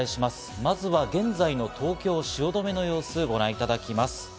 まずは現在の東京・汐留の様子をご覧いただきます。